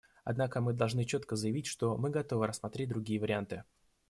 Однако мы должны четко заявить, что мы готовы рассмотреть другие варианты.